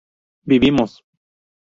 vivimos